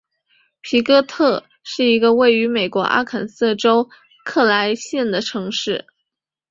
皮哥特是一个位于美国阿肯色州克莱县的城市。